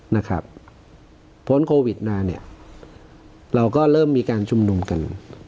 นะครับพ้นโควิดมาเนี่ยเราก็เริ่มมีการชุมนุมกัน